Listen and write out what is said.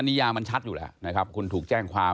นิยามันชัดอยู่แล้วนะครับคุณถูกแจ้งความ